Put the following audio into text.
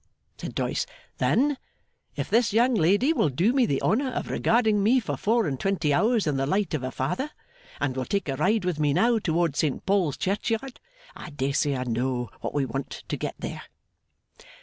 said Doyce. 'Then, if this young lady will do me the honour of regarding me for four and twenty hours in the light of a father, and will take a ride with me now towards Saint Paul's Churchyard, I dare say I know what we want to get there.